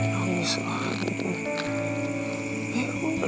kamu mau itu terjadi